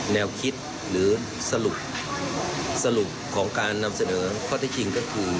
แนวคิดหรือสรุปของการนำเสนอข้อที่จริงก็คือ